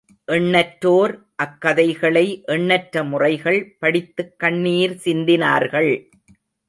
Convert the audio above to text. எண்ணற்றோர் அக்கதைகளை எண்ணற்ற முறைகள் படித்துக் கண்ணீர் சிந்தினார்கள்.